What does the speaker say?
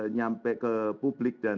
nyampe ke publik